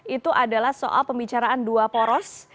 itu adalah soal pembicaraan dua poros